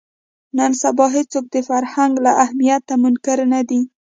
نن سبا هېڅوک د فرهنګ له اهمیته منکر نه دي